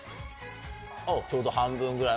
ちょうど半分ぐらい。